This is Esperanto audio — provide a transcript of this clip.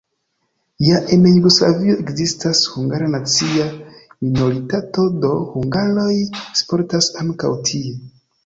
Ja en Jugoslavio ekzistas hungara nacia minoritato, do, hungaroj sportas ankaŭ tie.